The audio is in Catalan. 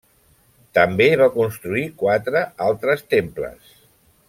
També va construir quatre altres temples.